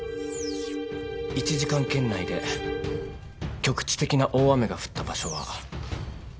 １時間圏内で局地的な大雨が降った場所は。